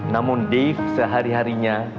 namun dave sehari harinya